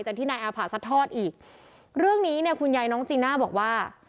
ที่นายอาผ่าซัดทอดอีกเรื่องนี้เนี่ยคุณยายน้องจีน่าบอกว่า